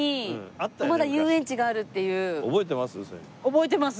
覚えてます。